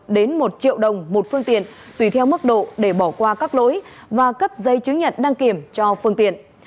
đến một triệu đồng một phương tiện tùy theo mức độ để bỏ qua các lỗi và cấp giấy chứng nhận đăng kiểm cho phương tiện